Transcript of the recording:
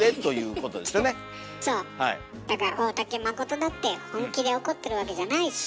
だから大竹まことだって本気で怒ってるわけじゃないし。